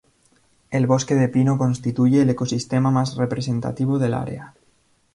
El bosque de pino constituye el ecosistema más representativo del área.